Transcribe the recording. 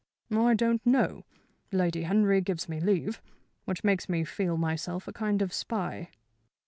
"I don't know. Lady Henry gives me leave, which makes me feel myself a kind of spy."